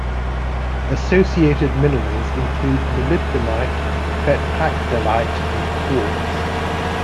Associated minerals include molybdenite, betpakdalite and quartz.